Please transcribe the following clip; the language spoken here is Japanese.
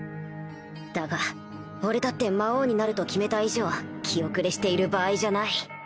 だが俺だって魔王になると決めた以上気後れしている場合じゃない